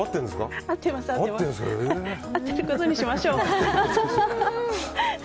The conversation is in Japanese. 合ってることにしましょう。